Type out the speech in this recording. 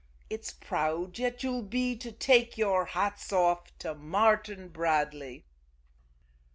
It's proud yet you'll be to take your hats off to Martin Bradley!"